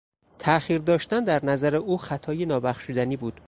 تاخیر داشتن در نظر او خطای نابخشودنی بود.